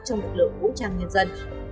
trong lực lượng vũ trang nhân dân